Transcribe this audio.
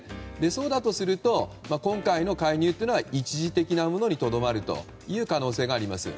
そうだとすると今回の介入というのは一時的なものにとどまる可能性があります。